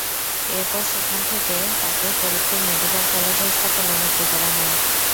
এরপর সেখান থেকে তাঁকে ফরিদপুর মেডিকেল কলেজ হাসপাতালে ভর্তি করা হয়।